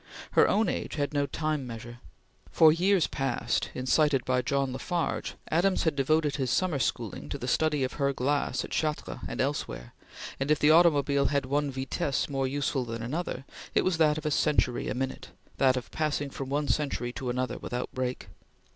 Her own age had no time measure. For years past, incited by John La Farge, Adams had devoted his summer schooling to the study of her glass at Chartres and elsewhere, and if the automobile had one vitesse more useful than another, it was that of a century a minute; that of passing from one century to another without break.